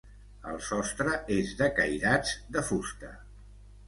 El sostre és de cairats de fusta.